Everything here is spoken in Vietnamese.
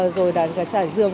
rồi chảy dương